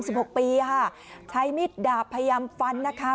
หกปีค่ะใช้มิดดาบพยายามฟันนะคะ